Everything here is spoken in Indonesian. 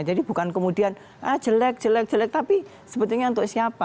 jadi bukan kemudian ah jelek jelek jelek tapi sebetulnya untuk siapa